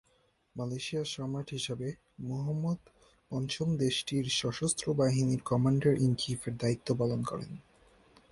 মালয়েশিয়ার সম্রাট হিসেবে মুহাম্মাদ পঞ্চম দেশটির সশস্ত্র বাহিনীর কমান্ডার ইন-চীফের দায়িত্ব পালন করেন।